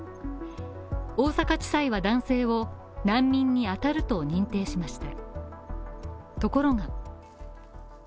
大阪地裁は男性を難民に当たると認定しました。